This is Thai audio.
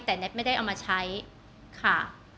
แต่แท็กไม่ได้เอามาใช้ค่ะ